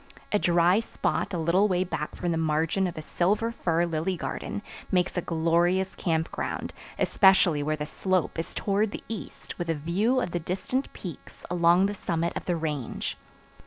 A dry spot a little way back from the margin of a silver fir lily garden makes a glorious camp ground, especially where the slope is toward the east with a view of the distant peaks along the summit of the Range.